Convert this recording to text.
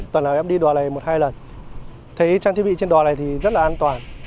tần nào em đi đỏ này một hai lần thấy trang thiết bị trên đỏ này thì rất là an toàn